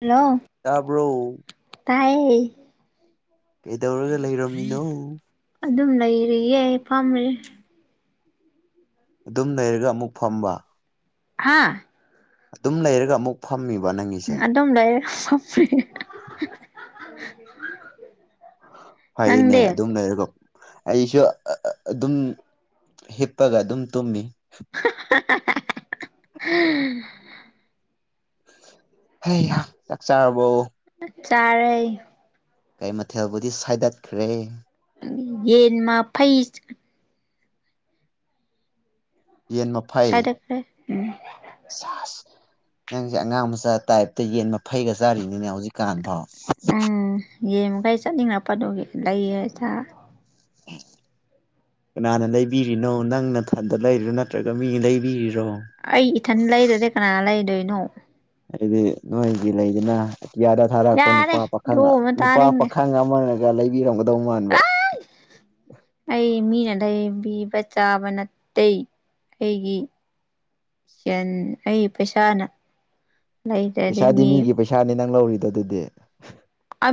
hello ꯇꯕꯣ ꯇꯥꯏꯌꯦ ꯀꯩꯗꯧꯔꯒ ꯂꯩꯔꯝꯃꯤꯅꯣ ꯑꯗꯨꯝ ꯂꯩꯔꯤꯌꯦꯦ ꯐꯥꯝꯔꯤ ꯑꯗꯨꯝ ꯂꯩꯔꯒ ꯑꯃꯨꯛ ꯐꯝꯕ ꯍꯥꯥ ꯑꯗꯨꯝ ꯂꯩꯔꯒ ꯑꯃꯨꯛ ꯐꯝꯃꯤꯕ ꯅꯪꯒꯤꯁꯦ ꯇꯝꯅꯦ ꯐꯄ꯭ꯔꯤ [inaudible] ꯎ ꯐꯩꯅꯦ ꯑꯗꯨꯝ ꯂꯩꯔꯒ ꯑꯩꯁꯨ ꯑꯗꯨꯝ ꯍꯤꯞꯄꯒ ꯑꯗꯨꯝ ꯇꯨꯝꯃꯤ [unintelligible] ꯍ ꯆꯥꯛ ꯆꯥꯔꯕꯣ ꯆꯥꯔꯩ ꯀꯩ ꯃꯊꯦꯜꯕꯨꯗꯤ ꯁꯥꯏꯗꯠꯈ꯭ꯔꯦ ꯌꯦꯟ ꯃꯥ ꯐꯩꯁ ꯌꯦꯟ ꯃꯐꯩ ꯆꯥꯏꯔꯛꯈ꯭ꯔꯦ ꯎꯝ ꯁꯦꯠ ꯅꯪꯁꯦ ꯑꯉꯥꯡ ꯃꯆꯥ ꯇꯥꯏꯞꯇ ꯌꯦꯟ ꯐꯩꯒ ꯆꯥꯔꯤꯅꯤꯅꯦ ꯍꯧꯖꯤꯛꯀꯥꯟ ꯐꯥꯎ ꯎꯝ ꯌꯦꯡꯃꯨꯒꯩ ꯆꯠꯅꯤꯡꯂꯛꯄꯗꯨꯒꯤ ꯂꯩꯌꯦ ꯍꯥꯏꯇꯥ [inaudible] ꯀꯅꯥꯅ ꯂꯩꯕꯤꯔꯤꯅꯣ ꯅꯪꯅ ꯊꯟꯗ ꯂꯩꯔꯤꯔꯣ ꯅꯠꯇ꯭ꯔꯒ ꯃꯤ ꯂꯩꯕꯤꯔꯤꯔꯣ ꯑꯩ ꯏꯊꯟ ꯂꯩꯗꯗꯤ ꯀꯅꯥ ꯂꯩꯗꯣꯏꯅꯣ ꯍꯥꯏꯗꯤ ꯅꯣꯏꯒꯤ ꯂꯩꯗꯅ ꯑꯇꯤꯌꯥꯗ ꯊꯥꯔꯛꯄ ꯌꯥꯔꯦ ꯅꯨꯄꯥ ꯄꯥꯈꯪ ꯗꯣ ꯑꯃ ꯅꯨꯄꯥ ꯇꯥꯅꯤꯡꯗꯦ ꯄꯥꯈꯪ ꯑꯃꯅ ꯀ ꯂꯩꯕꯤꯔꯝꯒꯗꯧ ꯃꯥꯟꯕ ꯑꯩ ꯃꯤꯅ ꯂꯩꯕꯤꯕ ꯆꯥꯕ ꯅꯠꯇꯦ ꯑꯩꯒꯤ ꯁꯟ ꯑꯩ ꯄꯩꯁꯥꯅ ꯂꯩꯗ꯭ꯔꯗꯤ ꯄꯩꯁꯥꯗꯤ ꯃꯤ ꯃꯤꯒꯤ ꯄꯩꯁꯥꯅꯤ ꯅꯪ ꯂꯧꯔꯤꯗꯣ ꯑꯗꯨꯗꯤ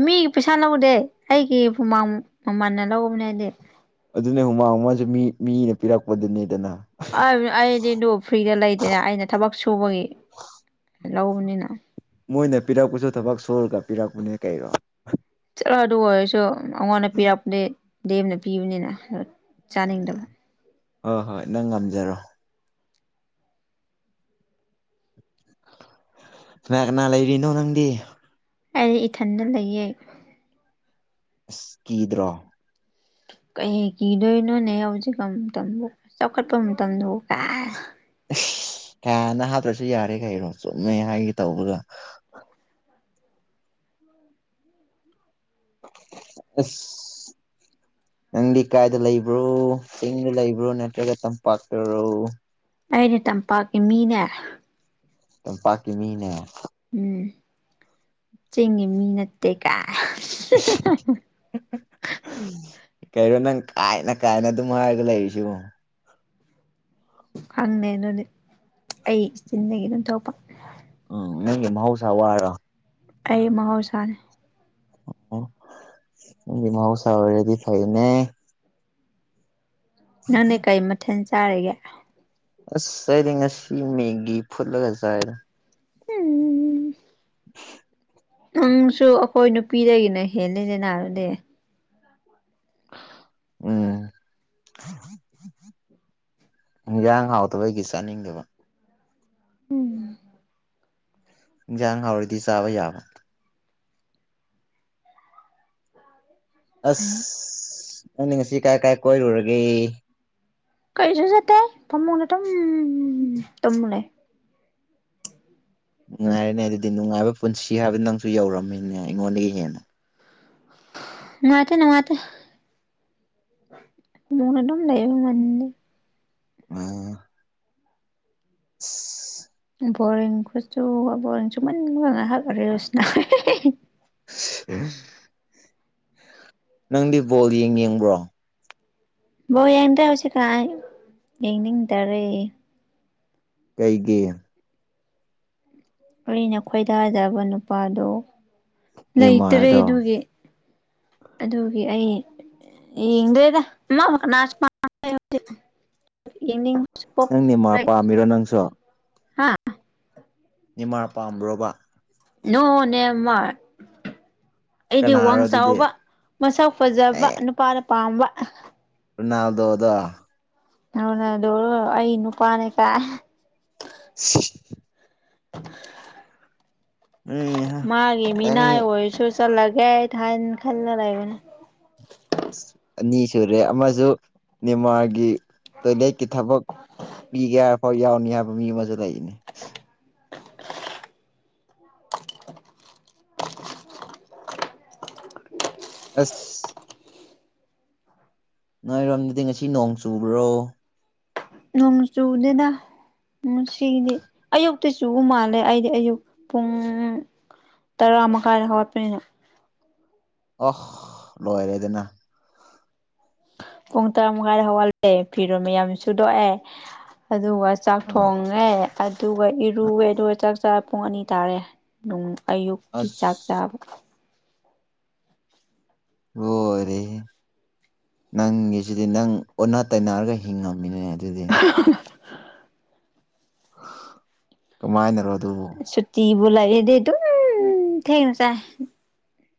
ꯃꯤꯒꯤ ꯄꯩꯁꯥ ꯂꯧꯗꯦ ꯑꯩꯒꯤ ꯍꯨꯃꯥꯡ ꯃꯃꯟꯅ ꯂꯧꯧꯕꯅꯤ ꯍꯥꯏꯗꯤ ꯑꯗꯨꯅꯦ ꯍꯨꯃꯥꯡ ꯑꯃꯁꯨ ꯃꯤ ꯃꯤꯅ ꯄꯤꯔꯛꯄꯗꯨꯅꯤꯗꯅ ꯑꯩꯗꯤ ꯑꯗꯨ ꯐ꯭ꯔꯤꯗ ꯂꯩꯗꯅ ꯑꯩꯅ ꯊꯕꯛ ꯁꯨꯕꯒꯤ ꯂꯧꯕꯅꯤꯅ ꯃꯣꯏꯅ ꯄꯤꯔꯛꯄꯁꯨ ꯊꯕꯛ ꯁꯣꯨꯔꯒ ꯄꯤꯔꯛꯄꯅꯦ ꯀꯔꯣ ꯆꯠꯂꯣ ꯑꯗꯨ ꯑꯣꯏꯔꯁꯨ ꯑꯩꯉꯣꯟꯗ ꯄꯤꯔꯛꯄꯗꯤ ꯗꯦꯝꯅ ꯄꯤꯕꯅꯤꯅ ꯆꯥꯅꯤꯡꯗꯕ ꯍꯣꯏ ꯍꯣꯏ ꯅꯪ ꯉꯝꯖꯔꯣ ꯀꯅꯥ ꯀꯅꯥ ꯂꯩꯔꯤꯅꯣ ꯅꯪꯗꯤ ꯑꯩ ꯏꯊꯟꯗ ꯂꯩꯌꯦ ꯑꯁꯀꯤꯗ꯭ꯔꯣ ꯀꯩ ꯀꯤꯗꯣꯏꯅꯣꯅꯦ ꯍꯧꯖꯤꯛꯀ ꯃꯇꯝꯗ ꯆꯥꯎꯈꯠꯄ ꯃꯇꯝꯗꯕꯨ ꯀꯥꯏ ꯍꯅ ꯍꯥꯞꯇ꯭ꯔꯁꯨ ꯌꯥꯔꯦ ꯀꯩꯔꯣ ꯆꯨꯝꯃꯦ ꯍꯥꯏꯒꯦ ꯇꯧꯕꯒ ꯎꯝ [inaudible] ꯑꯁ ꯅꯪꯗꯤ ꯀꯥꯏꯗ ꯂꯩꯕ꯭ꯔꯣ ꯆꯤꯡꯗ ꯂꯩꯕ꯭ꯔꯣ ꯅꯠꯇ꯭ꯔꯒ ꯇꯝꯄꯥꯛꯇꯔꯣ ꯑꯩꯩꯅ ꯇꯝꯄꯥꯛꯀꯤ ꯃꯤꯅꯦ ꯑꯗꯨꯝ ꯄꯥꯀꯤ ꯃꯤꯅꯦ ꯎꯝ ꯆꯤꯡꯉꯤ ꯃꯤ ꯅꯠꯇꯦꯀꯥꯏ ꯀꯩꯅꯣ ꯅꯪ ꯀꯥꯏꯅ ꯀꯥꯏꯅ ꯑꯗꯨꯝ ꯍꯥꯏꯔꯒ ꯂꯩꯔꯤꯁꯤ ꯍꯪꯅꯦ ꯅꯅꯦ ꯑꯩ ꯏꯆꯤꯟꯗꯒꯤ ꯑꯗꯨꯣꯏ ꯊꯣꯛꯛꯄ ꯎꯝ ꯅꯦ ꯃꯍꯧꯁꯥ ꯋꯥꯔ ꯑꯩ ꯃꯍꯧꯁꯥꯅꯤ ꯑꯣ ꯃꯍꯕꯨꯧ ꯆ ꯔꯗꯤ ꯐꯥꯏꯅꯦ ꯅꯪꯅꯦ ꯀꯩ ꯃꯊꯦꯜ ꯆꯥꯔꯤꯒꯦ ꯑꯁ ꯁꯗꯤ ꯉꯁꯤ ꯃꯦꯒꯤ ꯐꯠꯂꯒꯖꯔ ꯎꯝ [unintelligible] ꯅꯪꯁꯨ ꯑꯩꯈꯣꯏ ꯅꯨꯄꯤꯗꯒꯤꯅ ꯍꯦꯜꯂꯤꯅꯦꯅꯥꯔꯕꯗꯤ ꯎꯝ ꯎ ꯌꯥ ꯍꯥꯎꯗꯕꯩꯒꯤ ꯆꯥꯅꯤꯡꯗꯕ ꯎꯝ ꯌꯥꯖꯥꯡ ꯍꯋꯥꯗꯤ ꯆꯋꯥ ꯌꯥꯕ ꯑꯁ ꯅꯪꯅꯤ ꯉꯁꯤ ꯀꯥꯏ ꯀꯥꯏ ꯀꯣꯏꯔꯨꯔꯒꯦ ꯀꯩꯁꯨ ꯆꯠꯇꯦ ꯐꯝꯃꯨꯅꯦ ꯑꯗꯨꯝ ꯇꯝꯃꯨꯅꯦ ꯅꯨꯡꯉꯥꯏꯔꯅꯦ ꯑꯗꯨꯗꯤ ꯅꯨꯡꯉꯥꯏꯕ ꯄꯨꯟꯁꯤ ꯍꯥꯏꯕ ꯅꯪꯁꯨ ꯌꯧꯔꯝꯃꯤꯅꯦ ꯑꯩꯉꯣꯟꯗꯒꯤ ꯍꯦꯟꯅ ꯃꯥꯇꯅꯅꯨꯡ ꯃꯥꯇ ꯃꯣꯏꯅꯗꯝꯝ ꯂꯩꯏꯕ ꯃꯅꯤ ꯎꯝ [unintelligible] ꯕꯣꯔꯔꯤꯡ ꯀꯁꯨ ꯕꯣꯔꯡꯁꯨꯅ ꯃꯅ ꯍꯥꯏꯜꯔꯦ ꯔꯁꯅ ꯎꯝ ꯅꯪꯗꯤ ꯕꯣꯜ ꯌꯦꯡ ꯌꯦꯡꯕ꯭ꯔꯣ ꯕꯣ ꯌꯦꯡꯗ꯭ꯔꯥ ꯍꯧꯖꯤꯛ ꯀꯥꯏ ꯌꯦꯡꯅꯤꯡ ꯇꯔꯦ ꯀꯩꯒꯤ ꯑꯩꯅ ꯈꯣꯏꯗꯥꯖꯕ ꯅꯨꯄꯥꯗꯣ ꯂꯩꯇꯔꯦ ꯅꯦꯃꯥꯔꯗꯣ ꯑꯗꯨꯒꯤ ꯑꯗꯨꯒꯤ ꯑꯩ ꯌꯦꯡꯗꯣꯏꯗ ꯑꯃ ꯃꯅꯥ [unintelligible] ꯅꯪꯅꯦ ꯃꯥ ꯄꯥꯝꯃꯤꯔꯣ ꯅꯪꯁꯨ ꯍꯥ ꯅꯤꯃꯥ ꯄꯥꯝꯃꯕ ꯅꯣꯡꯅꯦꯃ ꯑꯩꯗꯤ ꯀꯅꯥꯔꯣ ꯋꯥꯡ ꯑꯗꯨꯗꯤ ꯆꯥꯎꯕ ꯃꯁꯛ ꯐꯖꯕ ꯅꯨꯄꯥꯅ ꯄꯥꯝꯕ ꯅꯥꯜꯗꯣꯗ ꯑꯅꯗꯧ ꯑꯩ ꯏ ꯅꯨꯄꯥꯅꯦ ꯀ ꯁꯤ ꯎꯝ ꯃꯥꯒꯤꯦ ꯅꯪ ꯃꯤꯅꯥꯏ ꯑꯣꯏꯣꯏꯁꯨ ꯆꯂꯒꯦ ꯊ ꯍꯥꯟꯅ ꯈꯜꯅ ꯂꯩꯒꯅꯦ ꯑꯅꯤ ꯁꯨꯔꯦ ꯑꯃꯁ ꯅꯤ ꯃꯥꯒꯤ ꯇꯣꯏꯂꯦꯠꯀꯤ ꯊꯕꯛ ꯄꯤꯒꯦ ꯍꯥꯏꯐꯥꯎ ꯌꯥꯎꯅꯤ ꯍꯥꯏꯕ ꯃꯤ ꯑꯃꯁꯨ ꯂꯩꯅꯦ ꯑꯁ ꯅꯣꯏꯔꯣꯝꯗꯗꯤ ꯉꯁꯤ ꯅꯣꯡ ꯆꯨꯕ꯭ꯔꯣ ꯅꯣꯡ ꯆꯨꯅ‌ꯦꯅꯥ ꯎꯝ ꯉꯁꯤꯗꯤ ꯑꯌꯨꯛꯇ ꯆꯨꯕ ꯃꯥꯜꯂꯦ ꯑꯩꯗꯤ ꯑꯌꯨꯛ ꯄꯨꯡ ꯇꯔꯥ ꯃꯈꯥꯏꯗ ꯍꯧꯒꯠꯄꯅꯤꯅ ꯑꯍ ꯂꯣꯏꯔꯦꯗꯅ ꯄꯨꯡ ꯇꯔꯥꯃꯉꯥꯏꯗ ꯍꯧꯒꯜꯂꯦ ꯐꯤꯔꯣꯃꯤ ꯌꯥꯝ ꯁꯨꯗꯣꯛꯑꯦ ꯑꯗꯨꯒ ꯆꯥꯛ ꯑꯥ ꯊꯣꯡꯉꯦ ꯑꯗꯨꯒ ꯏꯔꯨꯋꯦ ꯑꯗꯨꯒ ꯆꯥꯛ ꯆ ꯄꯨꯡ ꯑꯅꯤ ꯇꯥꯔꯦ ꯅꯨꯡ ꯑꯌꯨꯛꯀꯤ ꯆꯥꯛ ꯑꯁ ꯆꯥꯕ ꯍꯔꯦ ꯅꯪꯒꯤꯁꯤꯗꯤ ꯅꯪ ꯑꯣꯟꯅ ꯇꯩꯅꯔꯒ ꯍꯤꯡꯉꯝꯃꯤꯅꯦ ꯑꯗꯨꯗꯤ [unintelligible] ꯀꯃꯥꯏꯅꯅ‌ꯣ ꯑꯗꯨꯕꯨ ꯁꯨꯇꯤꯕꯨ ꯂꯩꯔꯗꯤ ꯗꯨꯝ ꯊꯦꯡꯅ ꯆꯥꯏ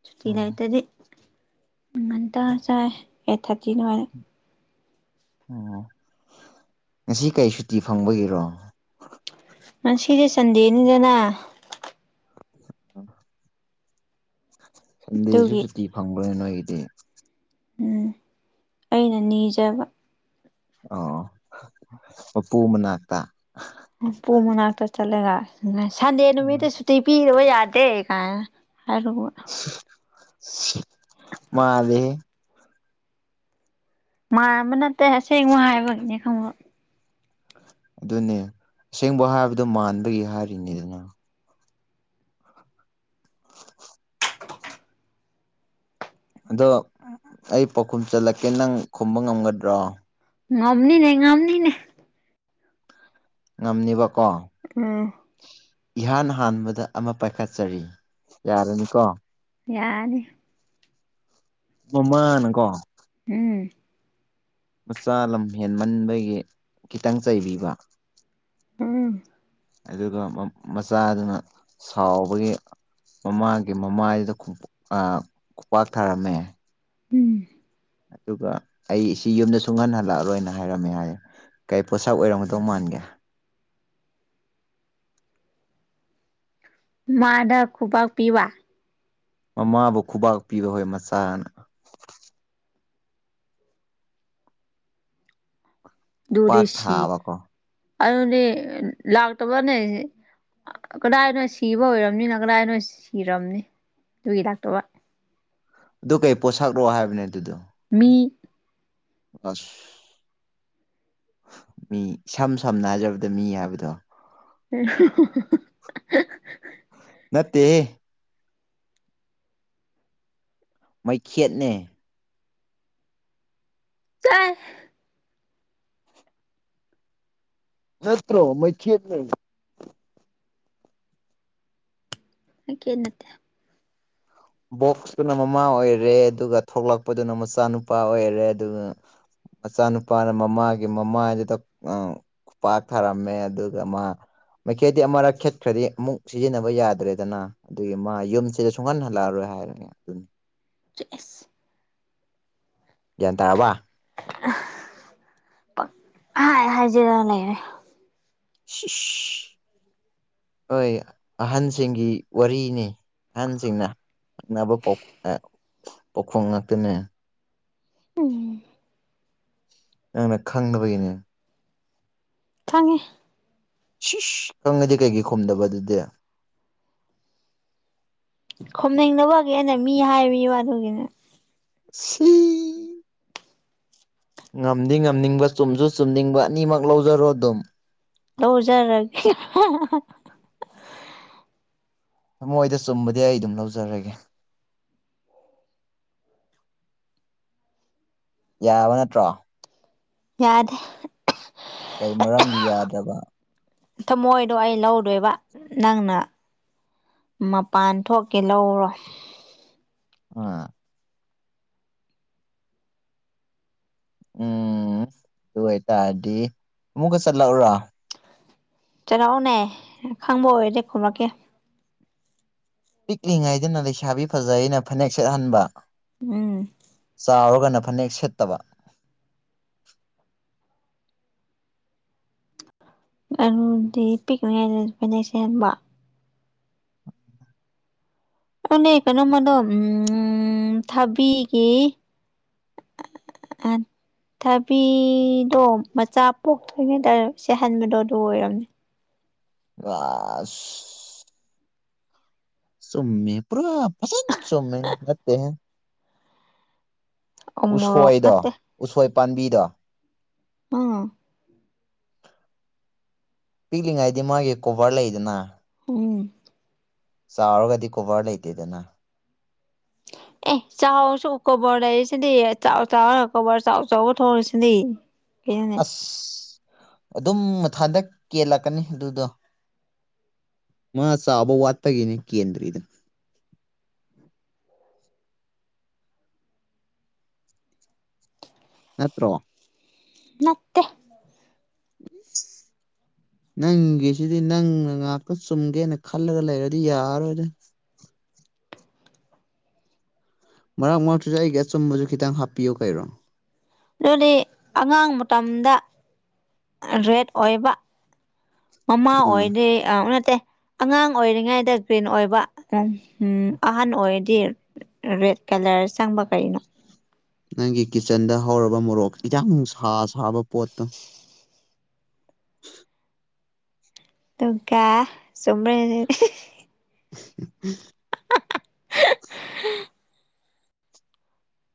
ꯁꯨꯇꯤ ꯑꯣ ꯂꯩꯇꯗꯤ ꯉꯟꯇ ꯆꯥꯏ ꯑꯩꯠ ꯊꯥꯔꯇꯤ ꯑꯗꯨꯃꯥꯏꯅ ꯑꯣ ꯉꯁꯤ ꯀꯩ ꯁꯨꯇꯤ ꯐꯪꯕꯒꯤꯔꯣ ꯉꯁꯤꯁꯦ ꯁꯟꯗꯦꯅꯤꯗꯅ ꯁꯟꯗꯦꯁꯨ ꯑꯗꯨꯒꯤ ꯁꯨꯇꯤ ꯐꯪꯕ꯭ꯔꯅ ꯅ‌ꯣꯏꯒꯤꯗꯤ ꯎꯝ ꯑꯩꯅ ꯅꯤꯖꯕ ꯑꯣ ꯄꯄꯨ ꯃꯅꯥꯛꯇ ꯎꯝ ꯄꯨ ꯃꯅꯥꯛꯇ ꯆꯠꯂꯒ ꯁꯟꯗꯦ ꯎꯝ ꯅꯨꯃꯤꯠꯇ ꯁꯨꯇꯤ ꯄꯤꯗꯕ ꯌꯥꯗꯦ ꯀꯥꯏ ꯍꯥꯏꯈ꯭ꯔꯕ‌ꯣ ꯃꯥꯜꯂ‌ꯦꯍ‌ꯦ ꯃꯥꯟꯃ ꯅꯠꯇꯦ ꯑꯁꯦꯡꯕ ꯍꯥꯏꯕꯒꯤꯅꯦ ꯈꯪꯕ ꯑꯗꯨꯅꯦ ꯑꯁꯦꯡꯕ ꯍꯥꯏꯕꯗꯣ ꯃꯥꯟꯕꯒꯤ ꯍꯥꯏꯔꯤꯅꯤ ꯗꯅ ꯑꯗꯣ ꯑꯩ ꯄꯥꯎꯈꯨꯝ ꯆꯠꯂꯛꯀꯦ ꯅꯪ ꯈꯨꯝꯕ ꯉꯝꯒꯗ꯭ꯔꯣ ꯉꯝꯅꯤꯅ‌ꯦ ꯉꯝꯅꯤꯅꯦ ꯉꯝꯅꯤꯕꯀꯣ ꯎꯝ ꯏꯍꯥꯟ ꯍꯥꯟꯕꯗ ꯑꯃ ꯄꯥꯏꯈꯠꯆꯔꯤ ꯌꯥꯔꯅꯤꯀꯣ ꯌꯥꯔꯅꯤ ꯃꯃꯥꯅ ꯀꯣ ꯎꯝ ꯃꯆꯥ ꯂꯝ ꯍꯦꯟꯃꯟꯕꯒꯤ ꯈꯤꯇꯪ ꯆꯩꯕꯤꯕ ꯎꯝ ꯑꯗꯨꯒ ꯃ ꯃꯆꯥꯗꯨꯅ ꯁꯥꯎꯕꯒꯤ ꯃꯃꯥꯒꯤ ꯃꯃꯥꯏꯗꯨꯗ ꯈꯨ ꯑꯥ ꯈꯨꯄꯥꯛ ꯊꯥꯔꯝꯃꯦ ꯎꯝ ꯑꯗꯨꯒ ꯑꯩꯁꯤ ꯌꯨꯝꯗ ꯁꯨꯡꯍꯟ ꯍꯜꯂꯛꯑꯔꯣꯏꯅ ꯍꯥꯏꯔꯝꯃꯦ ꯍꯥꯏꯌꯦ ꯀꯩ ꯄꯣꯠꯁꯛ ꯑꯣꯏꯔꯝꯒꯗꯧ ꯃꯥꯟꯒꯦ ꯃꯥꯗ ꯈꯨꯕꯥꯛ ꯄꯤꯕ ꯃꯃꯥꯕꯨ ꯈꯨꯕꯥꯛ ꯄꯤꯕ ꯍꯣꯏ ꯃꯆꯥꯅ ꯗꯨꯗꯤ ꯈꯨꯄꯥꯛ ꯁꯤ ꯊꯥꯕꯀꯣ ꯑꯗꯨꯗꯤ ꯂꯥꯛꯇꯕꯅꯦ ꯑ ꯀꯗꯥꯏꯗꯅꯣ ꯁꯤꯕ ꯑꯣꯏꯔꯝꯅꯤꯅ ꯀꯗꯥꯏꯅꯣ ꯁꯤꯔꯝꯅꯤ ꯑꯗꯨꯒꯤ ꯂꯥꯛꯇꯕ ꯑꯗꯨ ꯀꯩ ꯄꯣꯠꯁꯛꯔꯣ ꯍꯥꯏꯕꯅꯦ ꯑꯗꯨꯗꯣ ꯃꯤ ꯑꯁ ꯃꯤ ꯏꯁꯝ ꯁꯝꯅ ꯍꯥꯏꯖꯔꯕꯗ ꯃꯤ ꯍꯥꯏꯕꯗꯣ ꯍ ꯅꯠꯇꯦꯍꯦ ꯃꯩꯈꯦꯠꯅꯦ ꯇꯥꯏ ꯅꯠꯇ꯭ꯔꯣ ꯃꯣꯏ ꯊ ꯅ ꯃ ꯀꯦ ꯅꯠꯇꯦ ꯕꯣꯛꯁꯇꯨꯅ ꯃꯃꯥ ꯑꯣꯏꯔꯦ ꯑꯗꯨꯒ ꯊꯣꯛꯂꯛꯄꯗꯨꯅ ꯃꯆꯥꯅꯨꯄꯥ ꯑꯣꯏꯔꯦ ꯑꯗꯨꯒ ꯃꯆꯥꯅꯨꯄꯥꯅ ꯃꯃꯥꯒꯤ ꯃꯃꯥꯏꯗꯨꯗ ꯑ ꯄꯥꯛ ꯊꯥꯔꯝꯃꯦ ꯑꯗꯨꯒ ꯃꯥ ꯃꯩꯈ‌ꯦꯠꯗꯤ ꯑꯃꯔꯛ ꯈꯦꯠꯈ꯭ꯔꯗꯤ ꯑꯃꯨꯛ ꯁꯤꯖꯤꯟꯅꯕ ꯌꯥꯗ꯭ꯔꯦꯗꯅ ꯑꯗꯨꯒꯤ ꯃꯥ ꯌꯨꯝꯁꯤꯗ ꯁꯨꯡꯍꯟ ꯂꯥꯛꯑꯔꯣꯏ ꯍꯥꯏꯔꯅꯦ ꯑꯗꯨꯅꯤ ꯆꯦꯁ ꯒ꯭ꯌꯥꯟ ꯇꯥꯔꯕꯥ ꯄꯛ ꯄꯪꯍꯥꯏ ꯍꯥꯏꯖꯤꯜꯂ ꯂꯩꯔ‌ꯦ ꯁꯤꯁꯤ ꯍꯣꯏ ꯑꯍꯟꯁꯤꯡꯒꯤ ꯋꯥꯔꯤꯅꯤ ꯑꯍꯟꯁꯤꯡꯅ ꯅꯛꯅꯕ ꯄꯥꯎꯈꯣꯡ ꯉꯥꯛꯇꯅꯦ ꯎꯝ ꯅꯪꯅ ꯈꯪꯅꯕꯒꯤꯅꯦ ꯈꯪꯉꯦ ꯁꯤꯁ ꯀꯪꯉꯗꯤ ꯀꯩꯀꯩ ꯈꯣꯨꯝꯗꯕ ꯑꯗꯨꯗꯤ ꯈꯣꯝꯅꯤꯡꯅꯕꯒꯤꯦꯅ ꯃꯤ ꯍꯥꯏꯔꯤꯕꯕ ꯑꯗꯨꯒꯤꯅꯦ ꯁꯤ ꯉꯝꯗꯤ ꯉꯝꯅꯤꯡꯕ ꯆꯨꯝꯁꯨ ꯆꯨꯝꯅꯤꯡꯕ ꯑꯅꯤꯃꯛ ꯂꯧꯖꯔꯣ ꯑꯗꯨꯝ ꯂꯧꯧꯖꯔꯒꯦ ꯊꯃꯣꯏꯗ ꯆꯨꯝꯕꯗꯤ ꯑꯩ ꯑꯗꯨꯝ ꯂꯧꯖꯔꯒꯦ ꯌꯥꯕ ꯅꯠꯇ꯭ꯔꯣ ꯌꯥꯗ ꯀꯩ ꯃꯔꯝꯒꯤ ꯌꯥꯗ꯭ꯔꯕ ꯊꯃꯣꯏꯗꯣ ꯑꯩ ꯂꯧꯗꯣꯏꯕꯥ ꯅꯪꯅ ꯃꯄꯥꯟ ꯊꯣꯛꯀꯦ ꯂꯧꯔꯣ ꯑ ꯎꯝ ꯑꯗꯨ ꯑꯣꯏꯇꯥꯔꯗꯤ ꯑꯃꯨꯛꯀ ꯆꯠꯂꯛꯎꯔꯣ ꯆꯔꯥꯛꯑꯣꯅꯦ ꯈꯪꯕ ꯑꯣꯏꯔꯗꯤꯦ ꯈꯨꯝꯂꯛꯀꯦ ꯄꯤꯛꯂꯤꯉꯩꯗꯅ ꯂꯩꯁꯥꯕꯤ ꯐꯖꯩ ꯑꯩꯅ ꯐꯅꯦꯛ ꯁꯦꯠꯍꯟꯕ ꯎꯝ ꯆꯥꯎꯔꯒꯅ ꯐꯅꯦꯛ ꯁꯦꯠꯇꯕ ꯑꯗꯨꯗꯤ ꯄꯤꯛꯂꯤꯉꯥꯏꯗ ꯐꯣꯏꯅꯦꯛꯁꯍꯟꯕ ꯑꯗꯨꯅꯦ ꯀꯩꯅꯣꯃꯗꯣ ꯎꯝ ꯊꯥꯕꯤꯒꯦ ꯑ ꯊꯕꯤꯗꯣ ꯃꯆꯥ ꯄꯣꯛꯇ꯭ꯔꯤꯉꯩꯗꯔꯦ ꯁꯤꯦꯍꯟꯕꯗꯣ ꯑꯗꯨ ꯑꯣꯏꯔꯝꯅꯦ ꯔꯁ ꯁꯣ ꯄꯨꯔꯥ ꯄꯁꯟ ꯁꯣꯝꯃꯦ ꯂꯦ ꯍꯦ ꯎꯃꯣꯔꯣꯛ ꯎꯁꯣꯏꯗꯣ ꯅꯠꯇꯦ ꯎꯁꯣꯏ ꯄꯥꯝꯕꯤꯗꯣ ꯄꯥ ꯄꯤꯛꯂꯤꯉꯩꯗꯤ ꯃꯥꯒꯤ ꯀꯣꯕꯔ ꯂꯩꯗꯅ ꯎ ꯆꯥꯎꯔꯒꯗꯤ ꯀꯣꯕꯔ ꯂꯩꯇꯦꯗꯅ ꯑꯦ ꯆꯥꯎꯁꯨ ꯀꯣꯕꯔ ꯂꯩꯔꯤꯁꯤꯅꯦ ꯆꯥꯎ ꯆꯥꯎ ꯀꯣꯕꯔ ꯆꯥꯎ ꯆꯥꯎꯕ ꯊꯣꯡꯉꯁꯤꯅꯦ ꯑꯦ ꯑꯗꯨꯝ ꯃꯊꯥꯟꯗ ꯀꯦꯜꯂꯥꯛꯀꯅꯤ ꯑꯗꯨꯗꯣ ꯃꯥ ꯆꯥꯕ ꯋꯥꯠꯇꯒꯤꯅꯦ ꯀꯦꯟꯗ꯭ꯔꯤꯗꯅ ꯅꯠꯇ꯭ꯔꯣ ꯅꯠꯇꯦ ꯅꯪꯒꯤꯁꯤꯗꯤ ꯅꯪꯅ ꯉꯥꯛꯇ ꯆꯨꯝꯒꯦꯅ ꯈꯜꯂꯒ ꯂꯩꯔꯗꯤ ꯌꯥꯔꯣꯏꯗ ꯃꯔꯛ ꯃꯔꯛꯇꯨꯁꯨ ꯑꯩꯒꯤ ꯑꯆꯨꯝꯕꯁꯨ ꯈꯤꯇꯪ ꯍꯥꯞꯄꯤꯌꯨ ꯀꯩꯔꯣ ꯑꯗꯨꯗꯤ ꯑꯉꯥꯡ ꯃꯇꯝꯗ ꯔꯦꯠ ꯑꯣꯏꯕ ꯃꯃꯥ ꯎꯝ ꯑꯣꯏꯗꯤꯦ ꯑ ꯅꯠꯇꯦ ꯑꯉꯥꯡ ꯑꯣꯏꯔꯤꯉꯩꯗ ꯒ꯭ꯔꯤꯟ ꯑꯣꯏꯕ ꯎꯝ ꯎꯝ ꯑꯍꯟ ꯑꯣꯏꯔꯗꯤ ꯔꯦꯠ ꯀꯂꯔ ꯆꯪꯕ ꯀꯔꯤꯅꯣ ꯅꯪꯒꯤ ꯀꯤꯠꯆꯟꯗ ꯍꯧꯔꯕ ꯃꯣꯔꯣꯛ ꯍꯖꯥꯡ ꯅꯨꯡꯁꯥ ꯁꯥꯕ ꯄꯣꯠꯇꯣ ꯇꯀ ꯁꯃꯔ ꯎꯝ [inaudible]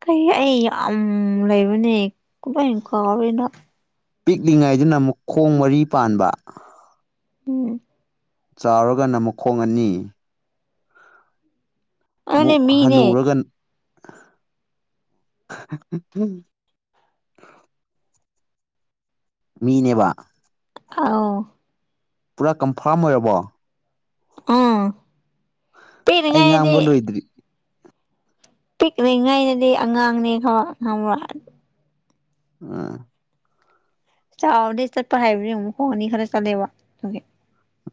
ꯀꯩ ꯑꯩ ꯌꯥꯝ ꯂꯩꯕꯅꯦ ꯀꯃꯥꯏ ꯀꯥꯎꯔꯤꯅꯣ ꯄꯤꯛꯂꯤꯉꯥꯏꯗꯨꯅ ꯑꯃꯨꯛ ꯈꯣꯡ ꯃꯔꯤ ꯄꯥꯟꯕ ꯎ ꯆꯥꯎꯔꯒꯅ ꯃꯈꯨꯣꯡ ꯑꯅꯤ ꯑꯗꯨꯅꯦ ꯑꯃꯨꯛ ꯃꯤꯅꯦ ꯍꯟꯅꯨꯔꯒ ꯃꯤꯅꯦꯕ ꯑꯥꯎ ꯄꯨꯔꯥ ꯀꯟꯐꯥꯔꯝ ꯑꯣꯏꯔꯕꯣ ꯑꯥ ꯑꯩ ꯉ ꯄꯤꯛꯂꯤꯉꯩꯗꯗꯤ ꯑꯝꯕꯣꯜ ꯑꯣꯏꯗ꯭ꯔꯤ ꯄꯤꯛꯂꯤꯉꯥꯏꯩꯅꯗꯤ ꯑꯉꯥꯡꯅꯦ ꯈꯔ ꯈꯕ ꯑꯥ ꯆꯥꯎꯔꯗꯤꯩ ꯆꯠꯄ ꯍꯥꯏꯕꯅꯤ ꯑꯃꯨꯛ ꯍꯣꯡ ꯑꯅꯤ ꯈꯔ ꯆꯠꯂꯦꯕ ꯑꯗꯨ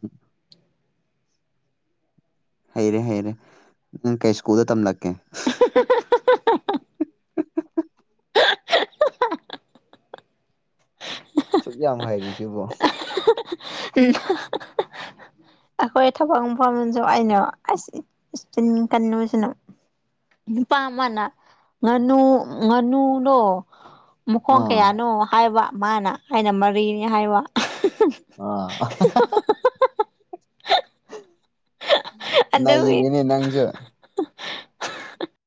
ꯎ ꯍꯩꯔꯦ ꯍꯩꯔꯦ ꯅꯪ ꯀꯩ ꯁ꯭ꯀꯨꯜꯗ ꯇꯝꯂꯛꯀꯦ ꯍ [inaudible] ꯁꯨ ꯀꯌꯥ ꯍꯥꯏꯔꯤꯁꯤꯕꯨꯣ [inaudible] ꯍ ꯑꯩꯈꯣꯏ ꯊꯕꯛ ꯃꯐꯝꯁꯨ ꯑꯩꯏꯅꯣ ꯑꯁꯤꯟ ꯀꯟꯅꯨꯁꯤꯅꯨ ꯅꯨꯄꯥ ꯑꯃꯅ ꯉꯥꯅꯨ ꯉꯥꯅꯨꯅꯣ ꯃꯈꯣꯡ ꯑꯥ ꯀꯌꯥꯅꯣ ꯍꯥꯏꯕ ꯃꯥꯅ ꯑꯩꯅ ꯃꯔꯤꯅꯤ ꯍꯥꯏꯕ ꯑ [inaudible] ꯅ ꯑꯗꯨꯒꯤ ꯏꯕꯅꯦ ꯅꯪꯁꯨ